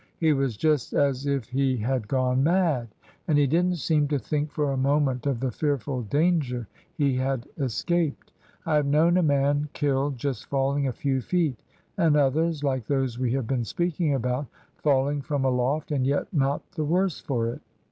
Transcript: He was just as if he had gone mad, and he didn't seem to think for a moment of the fearful danger he had escaped. I have known a man killed just falling a few feet, and others, like those we have been speaking about, falling from aloft, and yet not the worse for it.